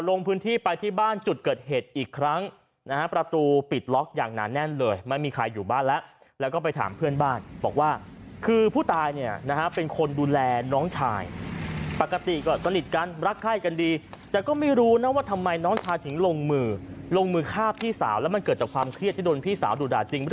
ลงพื้นที่ไปที่บ้านจุดเกิดเหตุอีกครั้งนะฮะประตูปิดล็อกอย่างหนาแน่นเลยไม่มีใครอยู่บ้านแล้วแล้วก็ไปถามเพื่อนบ้านบอกว่าคือผู้ตายเนี่ยนะฮะเป็นคนดูแลน้องชายปกติก็สนิทกันรักไข้กันดีแต่ก็ไม่รู้นะว่าทำไมน้องชายถึงลงมือลงมือฆ่าพี่สาวแล้วมันเกิดจากความเครียดที่โดนพี่สาวดูด่าจริง